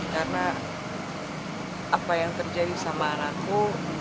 karena apa yang terjadi sama anakku